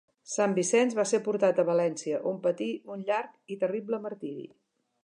Sant Vicenç va ser portat a València, on patí un llarg i terrible martiri.